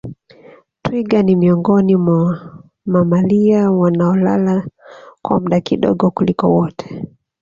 Twiga ni miongoni mwa mamalia wanaolala kwa muda kidogo kuliko wote